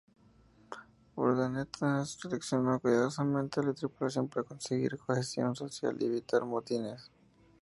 Urdaneta seleccionó cuidadosamente a la tripulación para conseguir cohesión social y evitar motines.